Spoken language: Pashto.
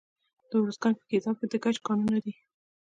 د ارزګان په ګیزاب کې د ګچ کانونه دي.